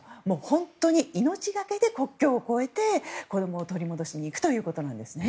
本当に命がけで国境を越えて子供を取り戻しに行くということですね。